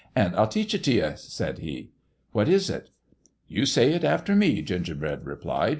An' I'll teach it t' you," said he. "What is it?" " You say it after me," Gingerbread replied.